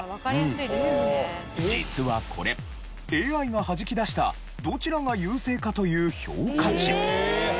実はこれＡＩがはじき出したどちらが優勢かという評価値。